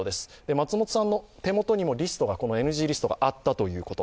松本さんの手元にもこのＮＧリストがあったということ。